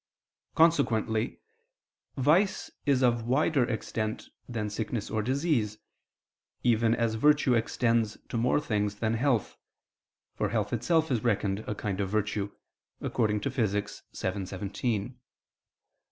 Consequently vice is of wider extent than sickness or disease; even as virtue extends to more things than health; for health itself is reckoned a kind of virtue (Phys. vii, text. 17).